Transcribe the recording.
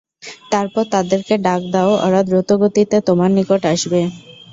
তারপর তাদেরকে ডাক দাও ওরা দ্রুতগতিতে তোমার নিকট আসবে।